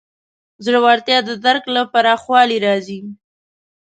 ژورتیا د درک له پراخوالي راځي.